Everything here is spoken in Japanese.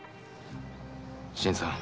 新さん。